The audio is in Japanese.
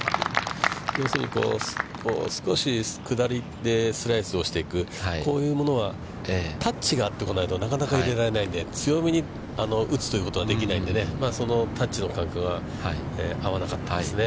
要するに少し下りでスライスをしていく、こういうものは、タッチが合ってこないとなかなか入れられないんで、強めに打つということができないんでね、そのタッチの感覚が合わなかったですね。